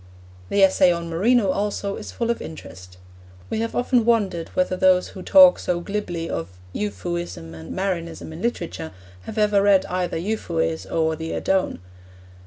The essay on Marino also is full of interest. We have often wondered whether those who talk so glibly of Euphuism and Marinism in literature have ever read either Euphues or the Adone.